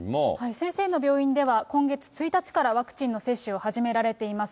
先生の病院では、今月１日から、ワクチンの接種を始められています。